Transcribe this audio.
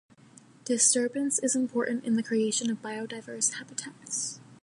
Disturbance is important in the creation of biodiverse habitats.